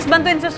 sus bantuin sus